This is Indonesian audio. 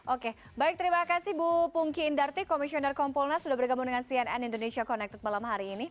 oke baik terima kasih bu pungki indarti komisioner kompolnas sudah bergabung dengan cnn indonesia connected malam hari ini